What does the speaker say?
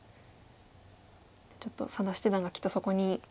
ちょっと佐田七段がきっとそこに。